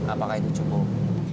apakah itu cukup